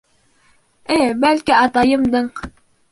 Э, бәлки, атайымдың: